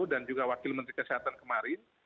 dan juga wakil menteri kesehatan kemarin